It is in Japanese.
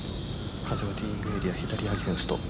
風はティーイングエリア左アゲンスト。